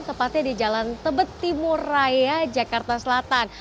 tepatnya di jalan tebet timur raya jakarta selatan